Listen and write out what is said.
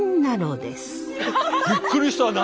びっくりした何。